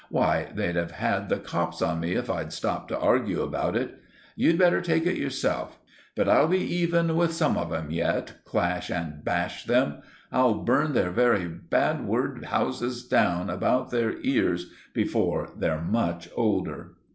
Why, they'd have had the cops on me if I'd stopped to argue about it! You'd better take it yourself. But I'll be even with some of 'em yet, clash and bash them! I'll burn their very bad word houses down about their ears before they're much older!"